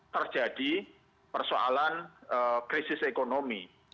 terjadi persoalan krisis ekonomi